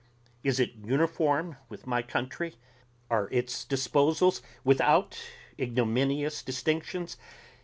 Is it uniform with my country? Are its disposals without ignominious distinctions?